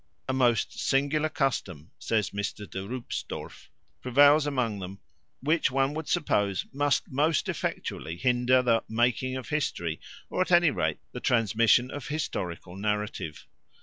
"A most singular custom," says Mr. de Roepstorff, "prevails among them which one would suppose must most effectually hinder the 'making of history,' or, at any rate, the transmission of historical narrative.